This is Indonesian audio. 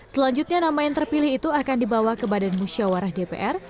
selanjutnya nama yang terpilih itu akan dibawa ke badan musyawarah dpr